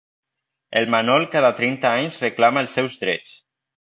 El Manol cada trenta anys reclama els seus drets.